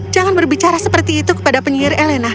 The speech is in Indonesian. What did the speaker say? jangan berbicara seperti itu kepada penyihir elena